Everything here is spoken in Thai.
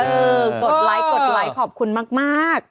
เออติดไลค์ขอบคุณมาก